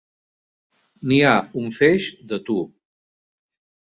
N'hi ha un feix, de tu!